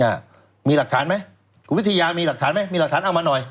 อ่ะมีหลักฐานไหมคุณวิทยามีหลักฐานไหมมีหลักฐานเอามาหน่อย